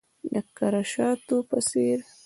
د کره شاتو په څیرې